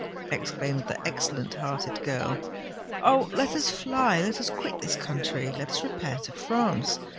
exclaimed the excellent hearted girl. "Oh! let us fly—let us quit this country—let us repair to France!